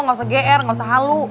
gak usah gr gak usah halu